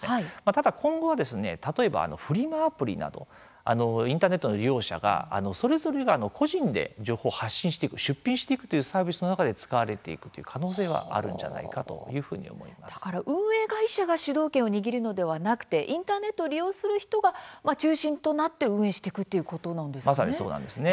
ただ今後は例えば、フリマアプリなどインターネットの利用者がそれぞれが個人で情報を発信していく出品していくというサービスの中で使われていくという可能性はあるんじゃないかだから運営会社が主導権を握るのではなくてインターネットを利用する人が中心となって運営していくということなんですね。